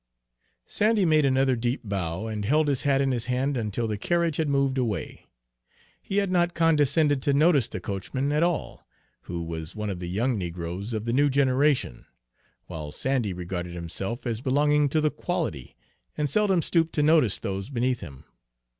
Sandy made another deep bow, and held his hat in his hand until the carriage had moved away. He had not condescended to notice the coachman at all, who was one of the young negroes of the new generation; while Sandy regarded himself as belonging to the quality, and seldom stooped to notice those beneath him.